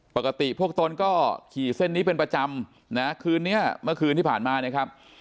ปกติพวกตนก็ขี่เส้นนี้เป็นประจำนะคืนนี้เมื่อคืนที่ผ่านมานะครับ